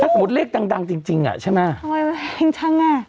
ถ้าสมมติเลขดังจริงอะใช่ไหมเอ้ยจริงอะ